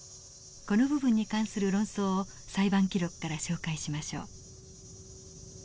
この部分に関する論争を裁判記録から紹介しましょう。